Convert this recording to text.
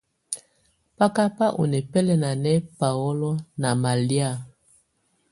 Ba ka bà ɔ̀ nɛ̀bɛlɛna nɛ paolo nà malɛ̀á.